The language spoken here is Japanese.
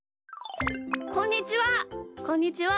こんにちは！